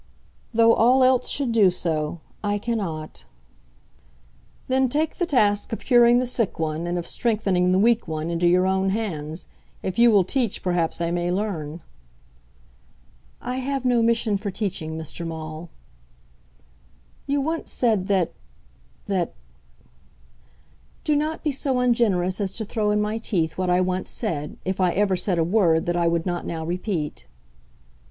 "Though all else should do so, I cannot." "Then take the task of curing the sick one, and of strengthening the weak one, into your own hands. If you will teach, perhaps I may learn." "I have no mission for teaching, Mr. Maule." "You once said that, that " "Do not be so ungenerous as to throw in my teeth what I once said, if I ever said a word that I would not now repeat."